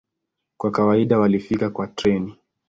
Kwa kawaida walifika kwa treni.